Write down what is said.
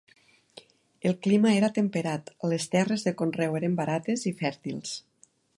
El clima era temperat; les terres de conreu eren barates i fèrtils.